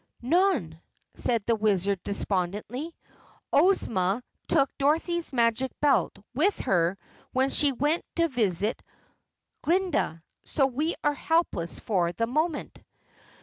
"None," said the Wizard despondently. "Ozma took Dorothy's Magic Belt with her when she went to visit Glinda, so we are helpless for the moment."